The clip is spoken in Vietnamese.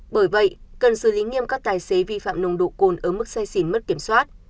bởi vậy cần xử lý nghiêm các tài xế vi phạm nồng độ cồn ở mức say xỉn mất kiểm soát